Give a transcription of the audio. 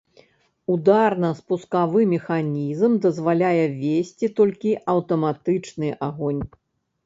Ударна-спускавы механізм дазваляе весці толькі аўтаматычны агонь.